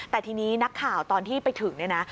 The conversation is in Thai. แต่ทีนี้นักข่าวตอนที่ไปถึงเนี่ยนะ